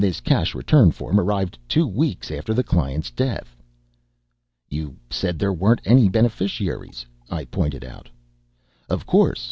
"This cash return form arrived two weeks after the client's death." "You said there weren't any beneficiaries," I pointed out. "Of course.